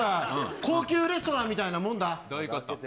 高級レストランみたいなもんだ。